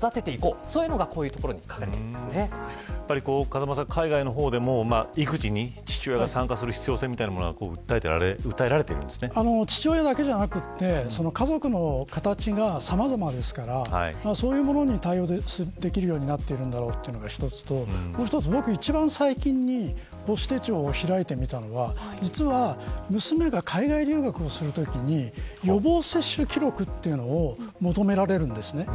風間さん、海外の方でも育児に父親が参加する必要性みたいなものは父親だけじゃなくて家族の形がさまざまですからそういうものに対応できるようになっているというのが一つともう一つ、一番最近に母子手帳を開いてみたのは娘が海外留学をするときに予防接種記録というのを求められるんですね。